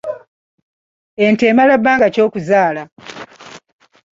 Ente emala bbanga ki okuzaala?